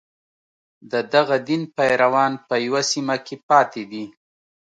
د دغه دین پیروان په یوه سیمه کې پاتې دي.